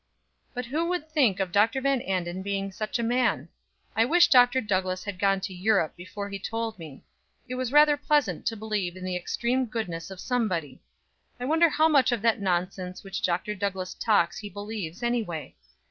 But who would think of Dr. Van Anden being such a man? I wish Dr. Douglass had gone to Europe before he told me it was rather pleasant to believe in the extreme goodness of somebody. I wonder how much of that nonsense which Dr. Douglass talks he believes, any way?